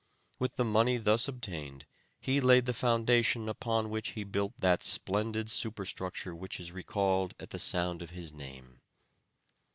With the money thus obtained he laid the foundation upon which he built that splendid superstructure which is recalled at the sound of his name.